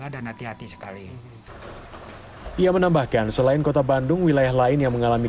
ada dan juga ada yang mengatakan bahwa ini adalah perubahan yang sangat penting untuk kita untuk